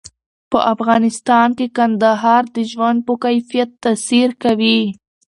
په افغانستان کې کندهار د ژوند په کیفیت تاثیر کوي.